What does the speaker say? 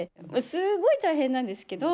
すごい大変なんですけど。